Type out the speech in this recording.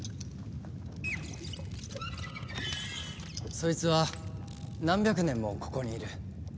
そいつは何百年もここにいる。